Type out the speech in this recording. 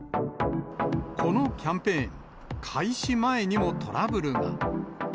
このキャンペーン、開始前にもトラブルが。